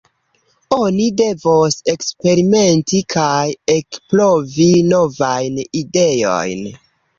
Oni devos eksperimenti kaj ekprovi novajn ideojn.